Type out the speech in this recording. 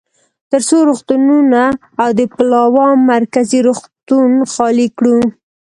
ترڅو روغتونونه او د پلاوا مرکزي روغتون خالي کړو.